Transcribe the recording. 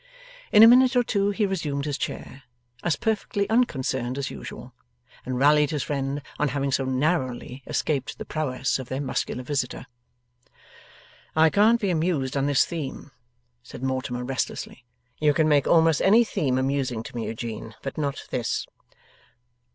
In a minute or two he resumed his chair, as perfectly unconcerned as usual, and rallied his friend on having so narrowly escaped the prowess of their muscular visitor. 'I can't be amused on this theme,' said Mortimer, restlessly. 'You can make almost any theme amusing to me, Eugene, but not this.